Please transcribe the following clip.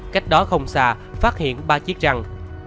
cách đó không xa phát hiện ba chiếc răng